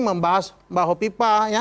membahas mbak hopipa